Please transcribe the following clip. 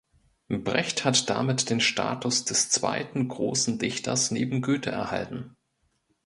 Brecht hat damit den Status des zweiten großen Dichters neben Goethe erhalten.